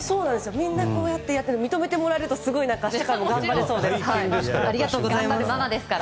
こうやって認めてもらうとすごい明日から頑張れそうです。